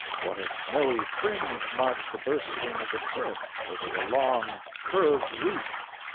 What a snowy fringe marks the bursting of the surf over the long, curved reef!